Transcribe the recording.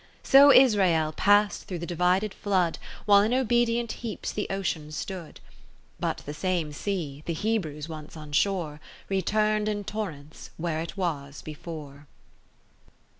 So Israel past through the divided flood, While in obedient heaps the Ocean stood : But the same sea (the Hebrews once on shore) Return'd in torrents where it was before.